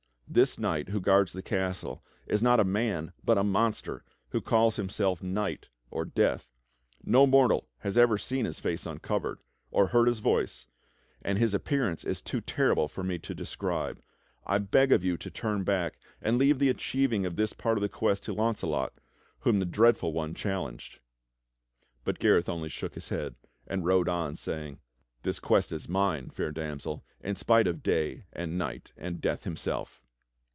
This knight who guards the castle is not a man but a monster who calls himself Night or Death. No mortal has ever seen his face uncovered, or heard his voice, and his appearance is too terrible for me to describe. I beg of you to turn back and leave the achieving of this part of the quest to Launcelot, whom the Dreadful One challenged." But Gareth only shook his head, and rode on saying: "This quest is mine. Fair Damsel, in spite of Day and Night and Death himself."